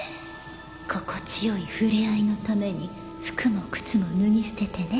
心地よい触れ合いのために服も靴も脱ぎ捨ててね。